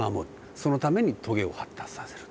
そのためにトゲを発達させる。